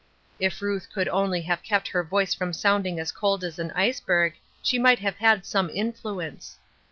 If Ruth cculo only have kept her voice from sounding as cold 8 % an iceberg, she might have had some influ ence.